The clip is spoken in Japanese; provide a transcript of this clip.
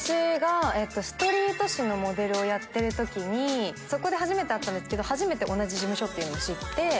ストリート誌のモデルをやってる時に初めて会ったんですけど同じ事務所というのを知って。